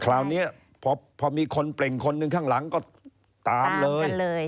คราวนี้พอมีคนเปล่งคนหนึ่งข้างหลังก็ตามเลย